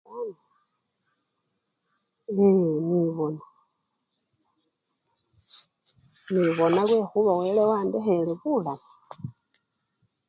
Ee! nibona, nibona khulwekhuba wele wandekhele bulamu.